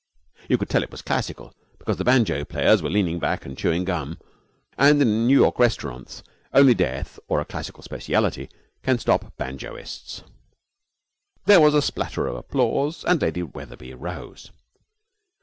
You could tell it was classical, because the banjo players were leaning back and chewing gum; and in New York restaurants only death or a classical speciality can stop banjoists. There was a spatter of applause, and Lady Wetherby rose.